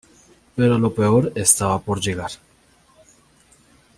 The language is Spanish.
Pero lo peor estaba por llegar.